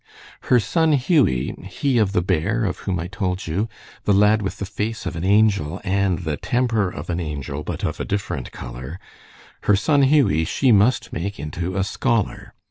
Her son Hughie (he of the bear), of whom I told you, the lad with the face of an angel and the temper of an angel, but of a different color her son Hughie she must make into a scholar.